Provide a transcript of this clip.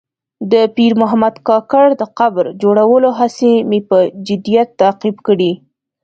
د پیر محمد کاکړ د قبر جوړولو هڅې مې په جدیت تعقیب کړې.